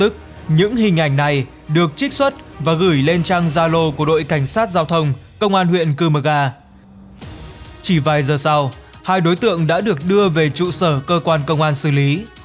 chỉ vài giờ sau hai đối tượng đã được đưa về trụ sở cơ quan công an xử lý